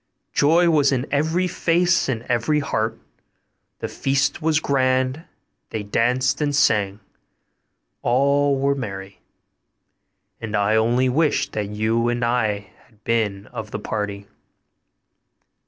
Joy was in every face and every heart. The feast was grand; they danced and sang; all were merry; and I only wish that you and I had been of the party.